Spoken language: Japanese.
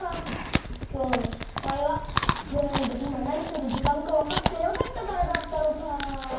きょうのしっぱいはぜんぶいまなにするじかんかわかってなかったからだったのか。